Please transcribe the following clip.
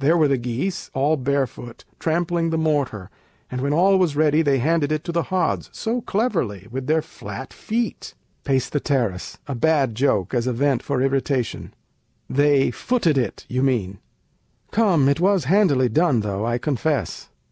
There were the geese, all barefoot Trampling the mortar, and when all was ready They handed it into the hods, so cleverly, With their flat feet! Peis. [a bad joke, as a vent for irritation] They footed it, you mean Come; it was handily done though, I confess.